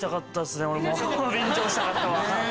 便乗したかったわ。